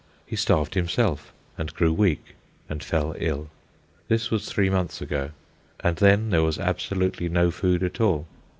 He starved himself, and grew weak, and fell ill. This was three months ago, and then there was absolutely no food at all.